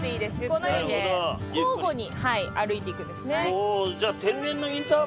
このように交互に歩いていくんですね。